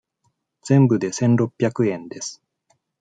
全部で千六百円です。